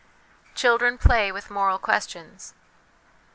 Children play with Moral Questions.